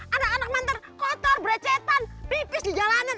anak anak mantar kotor bercetan pipis di jalanan